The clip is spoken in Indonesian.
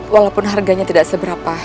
walaupun harganya tidak seberapa